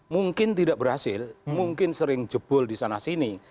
mungkin tidak berhasil mungkin sering jebol di sana sini